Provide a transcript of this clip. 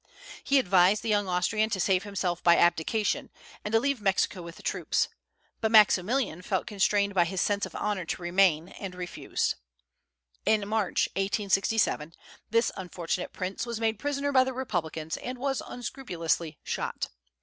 He advised the young Austrian to save himself by abdication, and to leave Mexico with the troops; but Maximilian felt constrained by his sense of honor to remain, and refused. In March, 1867, this unfortunate prince was made prisoner by the republicans, and was unscrupulously shot.